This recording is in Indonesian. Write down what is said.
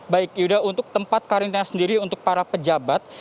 baik yuda untuk tempat karantina sendiri untuk para pejabat